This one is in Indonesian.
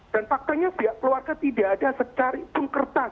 dan faktanya pihak keluarga tidak ada secara pungkertan